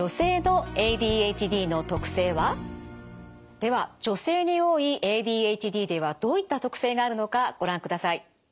では女性に多いＡＤＨＤではどういった特性があるのかご覧ください。